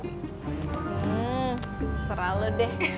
hmm serah lu deh